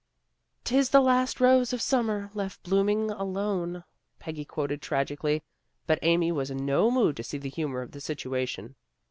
"' 'Tis the last rose of summer left blooming alone/ " Peggy quoted tragically, but Amy was in no mood to see the humor of the situation.